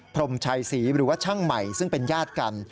พรมชัยศรีหรือว่าช่างใหม่ซึ่งเป็นญาติกัน